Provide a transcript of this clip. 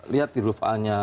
lihat di rufanya